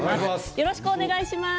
よろしくお願いします。